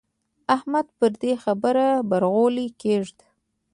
احمده پر دې خبره برغولی کېږده.